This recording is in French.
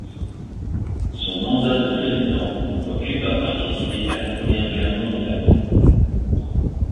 Son mandat de président voit Cuba participer à la Première Guerre mondiale.